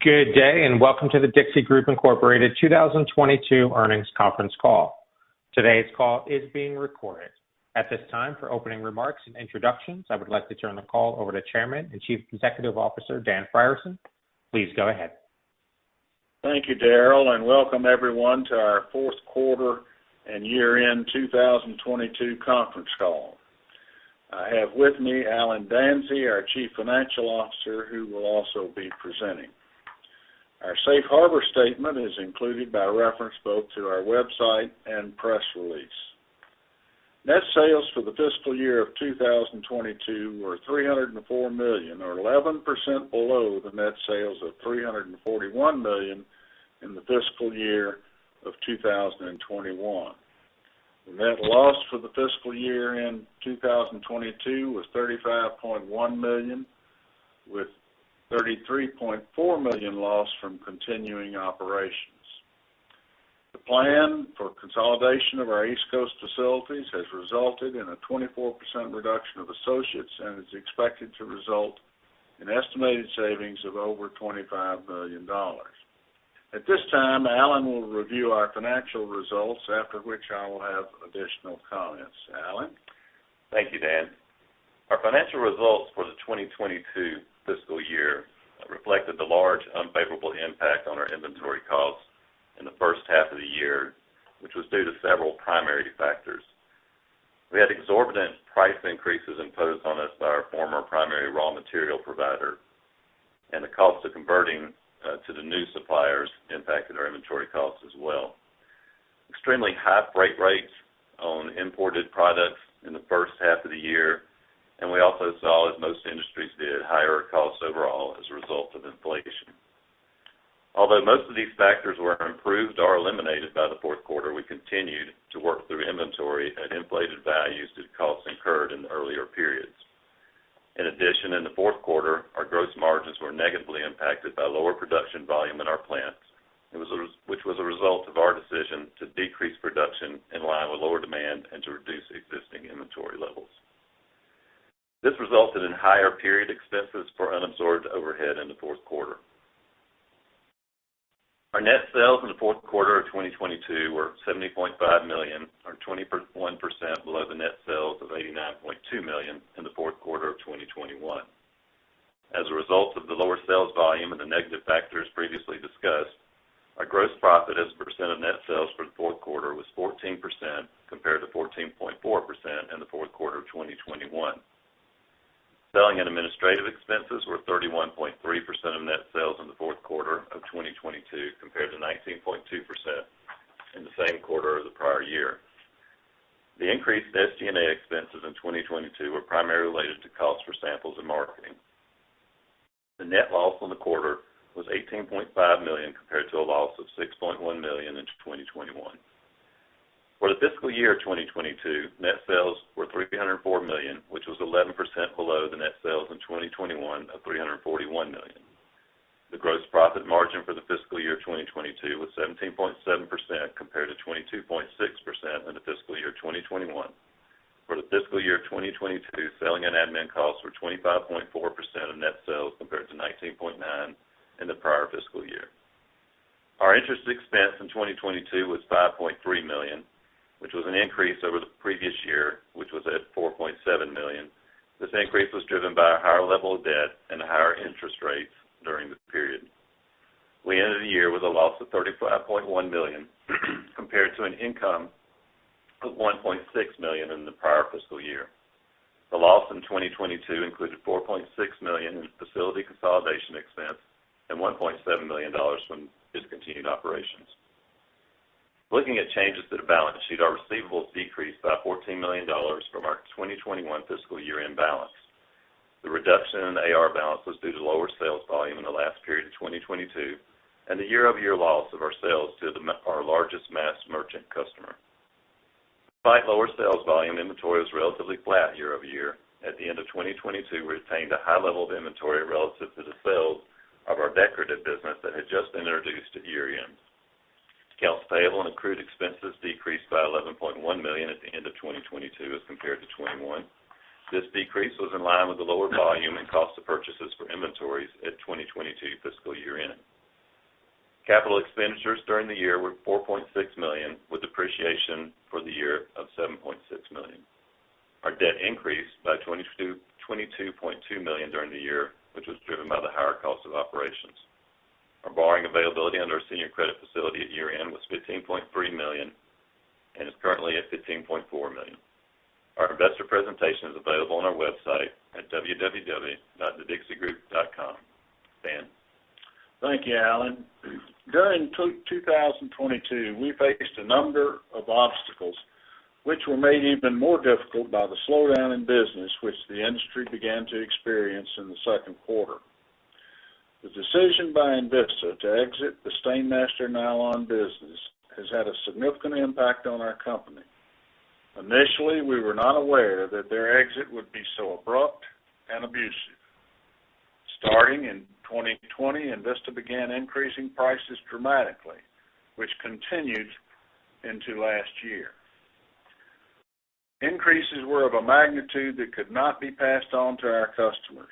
Good day, and welcome to the Dixie Group Incorporated 2022 earnings conference call. Today's call is being recorded. At this time, for opening remarks and introductions, I would like to turn the call over to Chairman and Chief Executive Officer, Dan Frierson. Please go ahead. Thank you, Daryl. Welcome everyone to our fourth quarter and year-end 2022 conference call. I have with me Allen Danzey, our Chief Financial Officer, who will also be presenting. Our safe harbor statement is included by reference both to our website and press release. Net sales for the fiscal year of 2022 were $304 million, or 11% below the net sales of $341 million in the fiscal year of 2021. The net loss for the fiscal year in 2022 was $35.1 million, with $33.4 million loss from continuing operations. The plan for consolidation of our East Coast facilities has resulted in a 24% reduction of associates and is expected to result in estimated savings of over $25 million. At this time, Allen will review our financial results, after which I will have additional comments. Allen? Thank you, Dan. Our financial results for the 2022 fiscal year reflected the large unfavorable impact on our inventory costs in the first half of the year, which was due to several primary factors. We had exorbitant price increases imposed on us by our former primary raw material provider, and the cost of converting to the new suppliers impacted our inventory costs as well. Extremely high freight rates on imported products in the first half of the year, we also saw, as most industries did, higher costs overall as a result of inflation. Although most of these factors were improved or eliminated by the fourth quarter, we continued to work through inventory at inflated values due to costs incurred in earlier periods. In addition, in the fourth quarter, our gross margins were negatively impacted by lower production volume in our plants. Which was a result of our decision to decrease production in line with lower demand and to reduce existing inventory levels. This resulted in higher period expenses for unabsorbed overhead in the fourth quarter. Our net sales in the fourth quarter of 2022 were $70.5 million, or 21% below the net sales of $89.2 million in the fourth quarter of 2021. As a result of the lower sales volume and the negative factors previously discussed, our gross profit as a percent of net sales for the fourth quarter was 14% compared to 14.4% in the fourth quarter of 2021. Selling and administrative expenses were 31.3% of net sales in the fourth quarter of 2022 compared to 19.2% in the same quarter of the prior year. The increased SG&A expenses in 2022 were primarily related to costs for samples and marketing. The net loss on the quarter was $18.5 million compared to a loss of $6.1 million in 2021. For the fiscal year 2022, net sales were $304 million, which was 11% below the net sales in 2021 of $341 million. The gross profit margin for the fiscal year 2022 was 17.7% compared to 22.6% in the fiscal year 2021. For the fiscal year 2022, selling and admin costs were 25.4% of net sales compared to 19.9% in the prior fiscal year. Our interest expense in 2022 was $5.3 million, which was an increase over the previous year, which was at $4.7 million. This increase was driven by a higher level of debt and higher interest rates during the period. We ended the year with a loss of $35.1 million compared to an income of $1.6 million in the prior fiscal year. The loss in 2022 included $4.6 million in facility consolidation expense and $1.7 million dollars from discontinued operations. Looking at changes to the balance sheet, our receivables decreased by $14 million from our 2021 fiscal year-end balance. The reduction in the AR balance was due to lower sales volume in the last period of 2022 and the year-over-year loss of our sales to our largest mass merchant customer. Despite lower sales volume, inventory was relatively flat year-over-year. At the end of 2022, we retained a high level of inventory relative to the sales of our decorative business that had just been introduced at year-end. Accounts payable and accrued expenses decreased by $11.1 million at the end of 2022 as compared to 2021. This decrease was in line with the lower volume and cost of purchases for inventories at 2022 fiscal year-end. Capital expenditures during the year were $4.6 million, with depreciation for the year of $7.6 million. Our debt increased by $22.2 million during the year, which was driven by the higher cost of operations. Our borrowing availability under our senior credit facility at year-end was $15.3 million and is currently at $15.4 million. Our investor presentation is available on our website at www.dixiegroup.com. Dan? Thank you, Allen. During 2022, we faced a number of obstacles which were made even more difficult by the slowdown in business, which the industry began to experience in the second quarter. The decision by INVISTA to exit the STAINMASTER nylon business has had a significant impact on our company. Initially, we were not aware that their exit would be so abrupt and abusive. Starting in 2020, INVISTA began increasing prices dramatically, which continued into last year. Increases were of a magnitude that could not be passed on to our customers.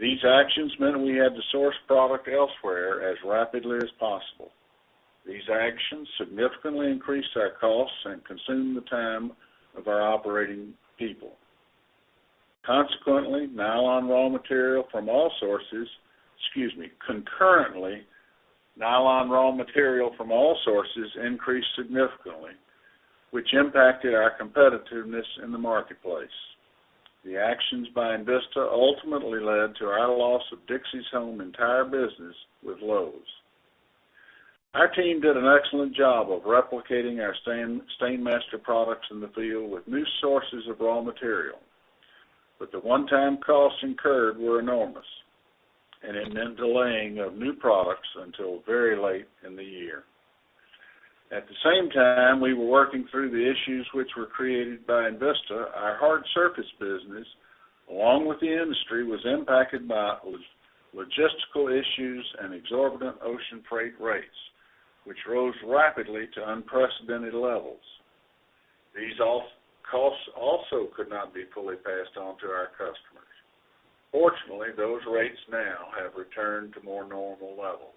These actions meant we had to source product elsewhere as rapidly as possible. These actions significantly increased our costs and consumed the time of our operating people. Consequently, nylon raw material from all sources. Concurrently, nylon raw material from all sources increased significantly, which impacted our competitiveness in the marketplace. The actions by INVISTA ultimately led to our loss of Dixie Home entire business with Lowe's. Our team did an excellent job of replicating our STAINMASTER products in the field with new sources of raw material. The one-time costs incurred were enormous, and it meant delaying of new products until very late in the year. At the same time we were working through the issues which were created by INVISTA, our hard surface business, along with the industry, was impacted by logistical issues and exorbitant ocean freight rates, which rose rapidly to unprecedented levels. These off costs also could not be fully passed on to our customers. Fortunately, those rates now have returned to more normal levels.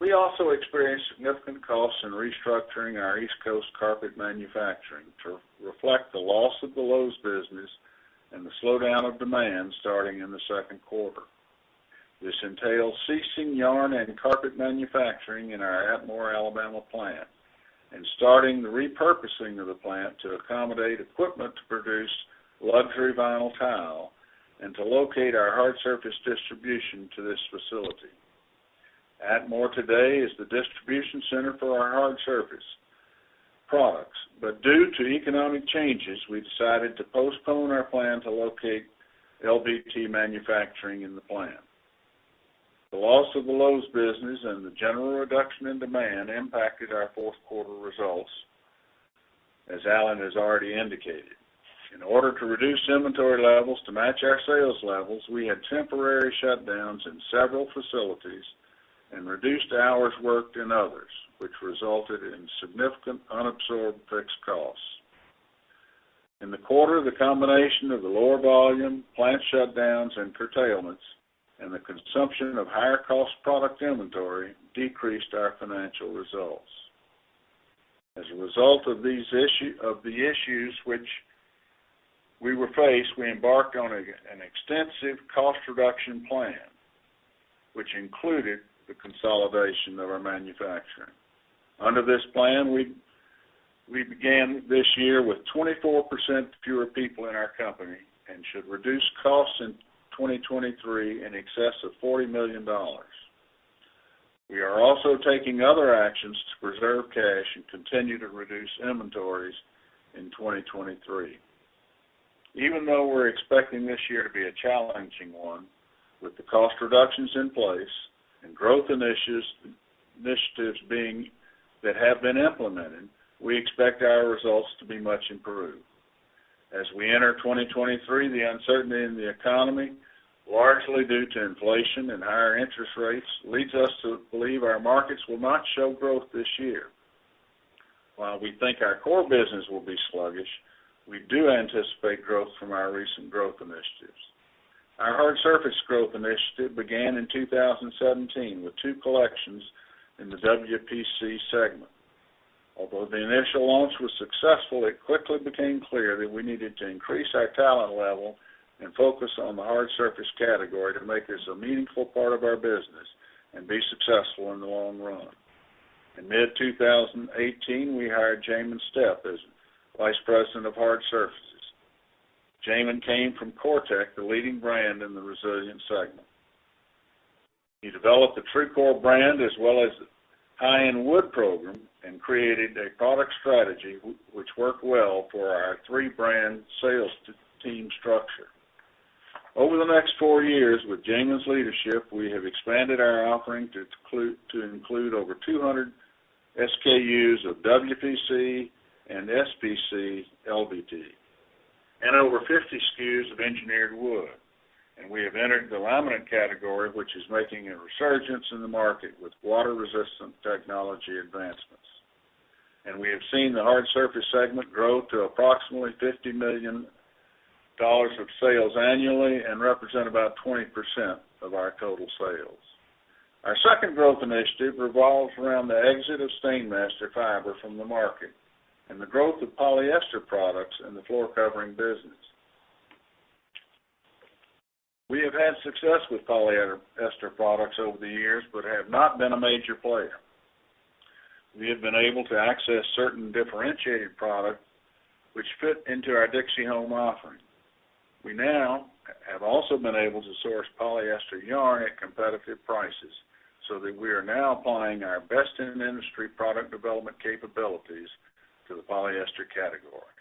We also experienced significant costs in restructuring our East Coast carpet manufacturing to reflect the loss of the Lowe's business and the slowdown of demand starting in the second quarter. This entails ceasing yarn and carpet manufacturing in our Atmore, Alabama plant and starting the repurposing of the plant to accommodate equipment to produce luxury vinyl tile and to locate our hard surface distribution to this facility. Atmore today is the distribution center for our hard surface products. Due to economic changes, we decided to postpone our plan to locate LVT manufacturing in the plant. The loss of the Lowe's business and the general reduction in demand impacted our fourth quarter results, as Allen has already indicated. In order to reduce inventory levels to match our sales levels, we had temporary shutdowns in several facilities and reduced hours worked in others, which resulted in significant unabsorbed fixed costs. In the quarter, the combination of the lower volume, plant shutdowns and curtailments, and the consumption of higher cost product inventory decreased our financial results. A result of the issues which we were faced, we embarked on an extensive cost reduction plan, which included the consolidation of our manufacturing. Under this plan, we began this year with 24% fewer people in our company and should reduce costs in 2023 in excess of $40 million. We are also taking other actions to preserve cash and continue to reduce inventories in 2023. We're expecting this year to be a challenging one, with the cost reductions in place and growth initiatives that have been implemented, we expect our results to be much improved. We enter 2023, the uncertainty in the economy, largely due to inflation and higher interest rates, leads us to believe our markets will not show growth this year. While we think our core business will be sluggish, we do anticipate growth from our recent growth initiatives. Our hard surface growth initiative began in 2017 with two collections in the WPC segment. Although the initial launch was successful, it quickly became clear that we needed to increase our talent level and focus on the hard surface category to make this a meaningful part of our business and be successful in the long run. In mid-2018, we hired Jamann Stepp as Vice President of Hard Surfaces. Jamann came from COREtec, the leading brand in the resilient segment. He developed the TRUCOR brand as well as the high-end wood program and created a product strategy which worked well for our three-brand sales team structure. Over the next four years, with Jamann's leadership, we have expanded our offering to include over 200 SKUs of WPC and SPC LVT and over 50 SKUs of engineered wood. We have entered the laminate category, which is making a resurgence in the market with water-resistant technology advancements. We have seen the hard surface segment grow to approximately $50 million of sales annually and represent about 20% of our total sales. Our second growth initiative revolves around the exit of STAINMASTER Fiber from the market and the growth of polyester products in the floor covering business. We have had success with polyester products over the years, but have not been a major player. We have been able to access certain differentiated product which fit into our Dixie Home offering. We now have also been able to source polyester yarn at competitive prices so that we are now applying our best-in-industry product development capabilities to the polyester category.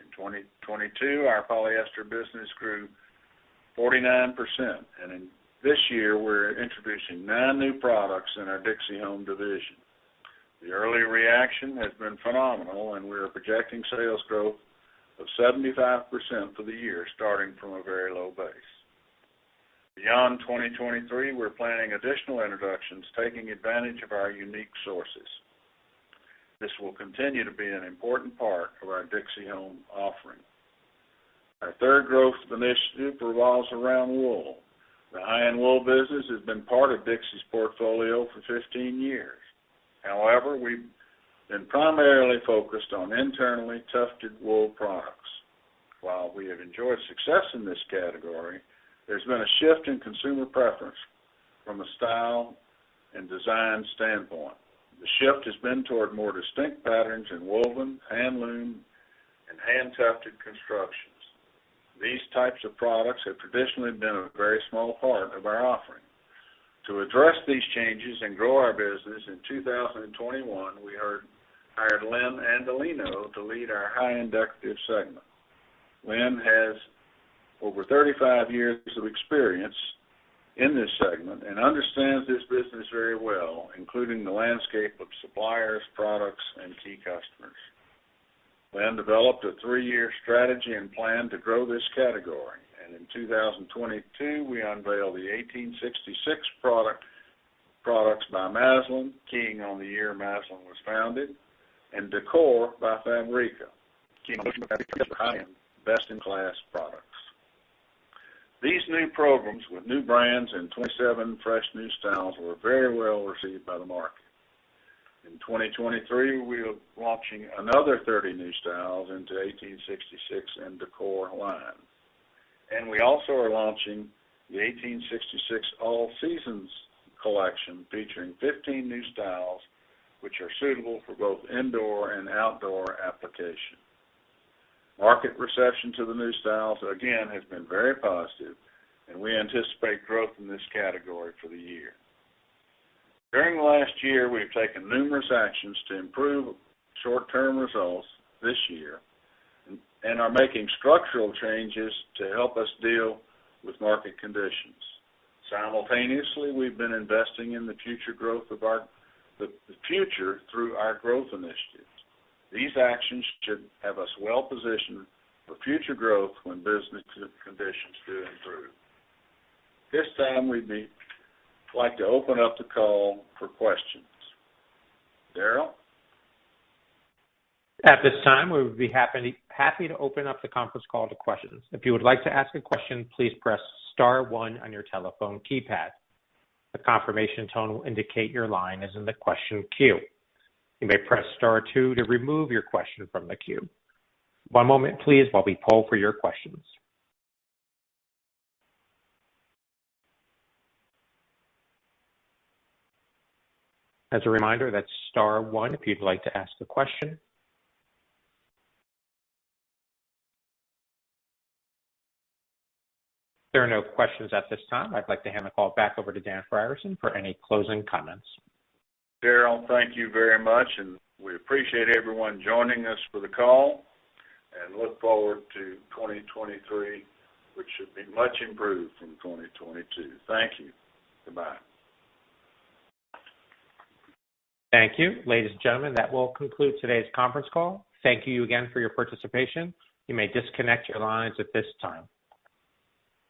In 2022, our polyester business grew 49%, in this year we're introducing nine new products in our Dixie Home division. The early reaction has been phenomenal, we are projecting sales growth of 75% for the year, starting from a very low base. Beyond 2023, we're planning additional introductions, taking advantage of our unique sources. This will continue to be an important part of our Dixie Home offering. Our third growth initiative revolves around wool. The high-end wool business has been part of Dixie's portfolio for 15 years. However, we've been primarily focused on internally tufted wool products. While we have enjoyed success in this category, there's been a shift in consumer preference from a style and design standpoint. The shift has been toward more distinct patterns in woven, hand loom, and hand-tufted constructions. These types of products have traditionally been a very small part of our offering. To address these changes and grow our business, in 2021, we hired Len Andolino to lead our high-end decorative segment. Len has over 35 years of experience in this segment and understands this business very well, including the landscape of suppliers, products, and key customers. Len developed a three-year strategy and plan to grow this category, in 2022, we unveiled the 1866 products by Masland, keying on the year Masland was founded, and Décor by Fabrica, keying on the fact that these are high-end best-in-class products. These new programs with new brands and 27 fresh new styles were very well received by the market. In 2023, we are launching another 30 new styles into 1866 and Décor line. We also are launching the 1866 All Seasons collection, featuring 15 new styles, which are suitable for both indoor and outdoor application. Market reception to the new styles, again, has been very positive, and we anticipate growth in this category for the year. During the last year, we have taken numerous actions to improve short-term results this year and are making structural changes to help us deal with market conditions. Simultaneously, we've been investing in the future growth of our future through our growth initiatives. These actions should have us well-positioned for future growth when business conditions do improve. This time, we'd like to open up the call for questions. Darryl? At this time, we would be happy to open up the conference call to questions. If you would like to ask a question, please press star one on your telephone keypad. A confirmation tone will indicate your line is in the question queue. You may press star two to remove your question from the queue. One moment please while we poll for your questions. As a reminder, that's star one if you'd like to ask a question. There are no questions at this time. I'd like to hand the call back over to Dan Frierson for any closing comments. Darryl, thank you very much. We appreciate everyone joining us for the call and look forward to 2023, which should be much improved from 2022. Thank you. Goodbye. Thank you. Ladies and gentlemen, that will conclude today's conference call. Thank you again for your participation. You may disconnect your lines at this time.